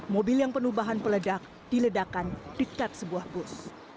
mobil yang penubahan peledak diledakan dekat sebuah bus